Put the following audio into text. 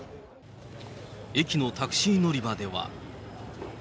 駅のタクシー乗り場では。